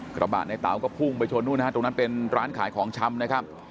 กระบาดไน่เตาะก็พุ่งไปชนตรงนั้นเป็นร้านขายของชำนะครับ